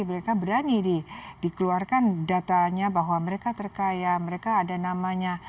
mereka berani dikeluarkan datanya bahwa mereka terkaya mereka ada namanya